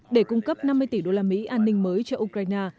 để cung cấp năm mươi tỷ đô la mỹ an ninh mới cho ukraine